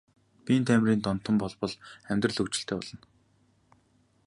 Биеийн тамирын донтон бол бол амьдрал хөгжилтэй болно.